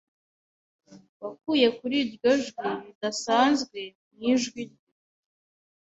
Wakuye kuri iryo jwi ridasanzwe mu ijwi rye?